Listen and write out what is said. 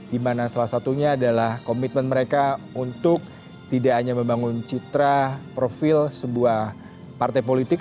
dimana salah satunya adalah komitmen mereka untuk tidak hanya membangun citra profil sebuah partai politik